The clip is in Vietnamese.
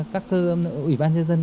các ủy ban nhân dân